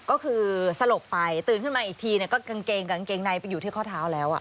ก็คือสลบไปตื่นขึ้นมาอีกทีก็กางเกงกับกางเกงในไปอยู่ที่ข้อเท้าแล้ว